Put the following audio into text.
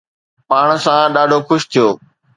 پاڻ سان ڏاڍو خوش ٿيو